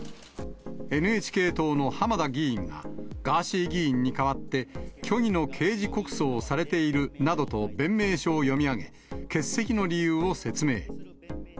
ＮＨＫ党の浜田議員が、ガーシー議員に代わって、虚偽の刑事告訴をされているなどと弁明書を読み上げ、欠席の理由を説明。